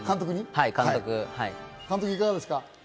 監督、いかがですか？